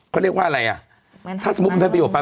เขาเรียกว่าอะไรสมมุติเขาเป็นเป็นประโยชน์ไป